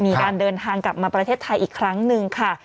มีการเดินทางกลับมาประเทศไทยอีกครั้งหนึ่งค่ะ